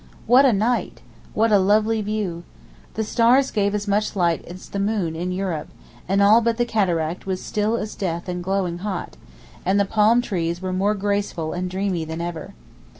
What a night! What a lovely view! The stars gave as much light as the moon in Europe, and all but the cataract was still as death and glowing hot, and the palm trees were more graceful and dreamy than ever.